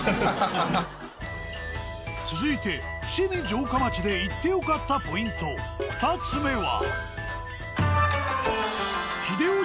続いて伏見城下町で行って良かったポイント２つ目は。